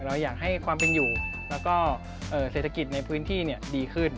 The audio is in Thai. เราอยากให้ความเป็นอยู่แล้วก็เศรษฐกิจในพื้นที่ดีขึ้น